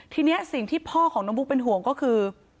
ทีนี้สิ่งที่พ่อของน้องบุ๊กเป็นห่วงก็คือ